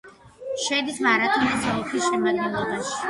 შედის მარათონის ოლქის შემადგენლობაში.